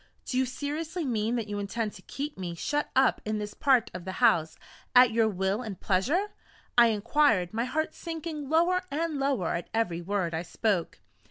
"Do you seriously mean that you intend to keep me shut up in this part of the house, at your will and pleasure?" I inquired, my heart sinking lower and lower at every word I spoke.